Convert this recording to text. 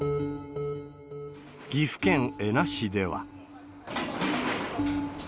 岐阜県恵那市では。